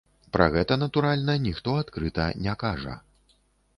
Пра гэта, натуральна, ніхто адкрыта не кажа.